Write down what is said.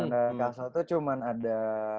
yang di castle tuh cuman ada